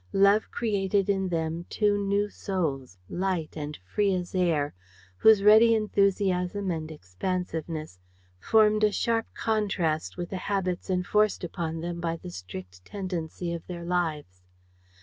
Love created in them two new souls, light and free as air, whose ready enthusiasm and expansiveness formed a sharp contrast with the habits enforced upon them by the strict tendency of their lives.